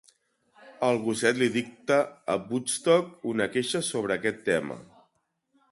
El gosset li dicta a Woodstock una queixa sobre aquest tema.